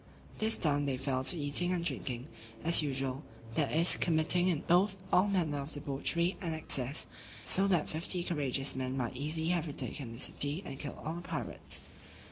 This done, they fell to eating and drinking, as usual; that is, committing in both all manner of debauchery and excess, so that fifty courageous men might easily have retaken the city, and killed all the pirates.